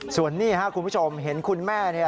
ส่วนนี้ครับคุณผู้ชมเห็นคุณแม่เนี่ย